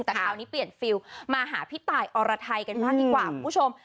แต่คราวนี้เปลี่ยนฟิลมาหาพี่ตายอรไทยกันบ้างดีกว่าคุณผู้ชม